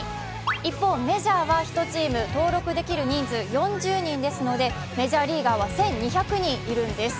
一方、メジャーは１チーム、登録できる人数、４０人ですので、メジャーリーガーは１２００人いるんです。